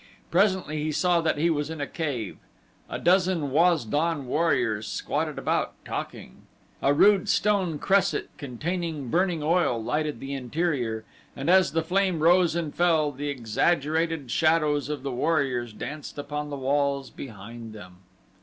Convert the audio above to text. Presently he saw that he was in a cave. A dozen Waz don warriors squatted about, talking. A rude stone cresset containing burning oil lighted the interior and as the flame rose and fell the exaggerated shadows of the warriors danced upon the walls behind them.